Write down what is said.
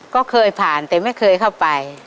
ก็เคยผ่านแต่ไม่เคยเข้าไป